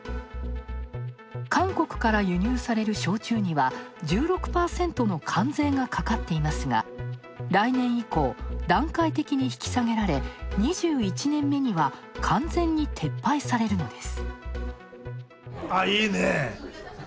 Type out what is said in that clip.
韓国から輸入される焼酎には１６％の関税がかかっていますが来年以降、段階的に引き下げられ２１年目には完全に撤廃されるのです。